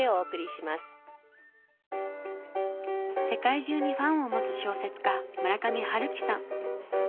世界中にファンを持つ小説家村上春樹さん。